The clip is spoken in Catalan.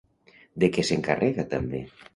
De què s'encarrega també?